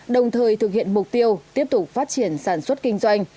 đồng thời thực hiện mục tiêu tiếp tục phát triển sản xuất kinh doanh